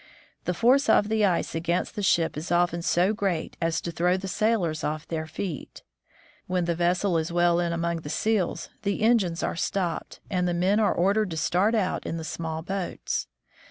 The force of the ice against the ship is often so great as to throw the sailors off their feet. When the vessel is well in among the seals the engines are stopped, and the men are ordered to start out in the small boats.